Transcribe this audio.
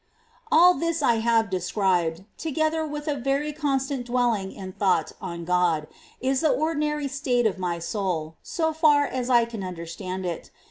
24. All this I have described, together with a very nesa^^^^^^' coustaut dwelling in thought on God, is the ordinary state of my soul, so far as I can understand it.